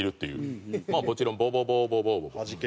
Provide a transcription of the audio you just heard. まあもちろん『ボボボーボ・ボーボボ』。